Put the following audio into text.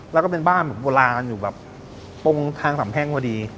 แล้วก็เป็นบ้านโบราณอยู่แบบตรงทางสามแพ่งพอดี